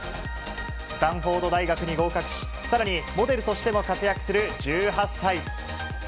スタンフォード大学に合格し更にモデルとしても活躍する１８歳。